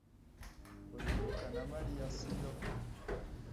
Uribuka na Mariya sibyo